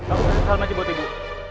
aku kasih salam aja buat ibu